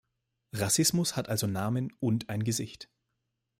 Rassismus hat also Namen und ein Gesicht.